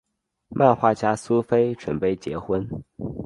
漫画家苏菲准备结婚。